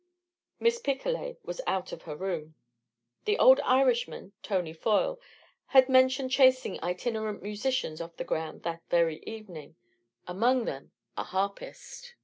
Miss Picolet was out of her room. The old Irishman, Tony Foyle, had mentioned chasing itinerant musicians off the grounds that very evening among them a harpist.